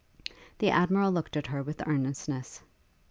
The Admiral looked at her with earnestness.